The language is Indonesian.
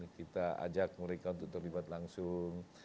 kita ajak mereka untuk terlibat langsung